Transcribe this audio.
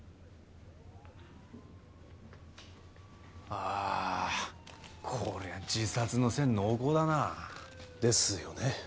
ああこりゃ自殺の線濃厚だな。ですよね。